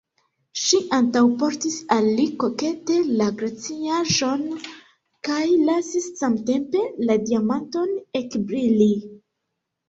Ŝi antaŭportis al li kokete la glaciaĵon kaj lasis samtempe la diamanton ekbrili.